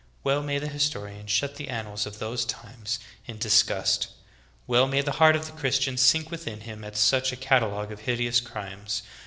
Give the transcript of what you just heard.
Well may the historian shut the annals of those times in dis gust. Well may the heart of the Christian sink within him 2t such a catalogue of hideous crimes.